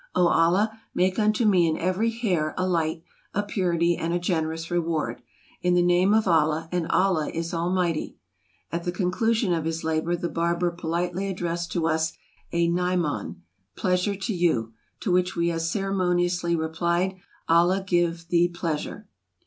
O Allah, make unto me in every hair, a light, a purity, and a generous reward ! In the name of Allah, and Allah is Almighty! " At the conclusion of his labor the barber politely addressed to us a " Naiman," — Pleasure to you! To which we as ceremoniously replied, "Allah give thee pleasure!